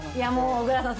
小椋さん